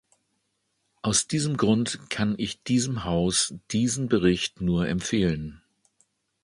Aus diesem Grund kann ich diesem Haus diesen Bericht nur empfehlen.